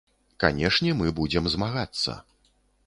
Канешне, мы будзем змагацца!